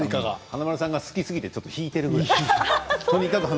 華丸さんが好きすぎて引いているぐらい。